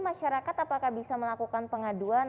masyarakat apakah bisa melakukan pengaduan